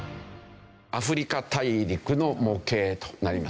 アフリカ大陸の模型となりますね。